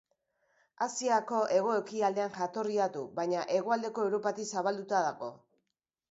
Asiako hego-ekialdean jatorria du baina hegoaldeko Europatik zabalduta dago.